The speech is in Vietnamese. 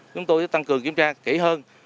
chúng tôi sẽ tăng cường kiểm tra kỹ hơn